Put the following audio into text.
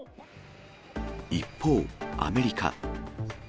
一方、アメリカ。